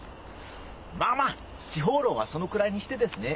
まあまあ地方論はそのくらいにしてですね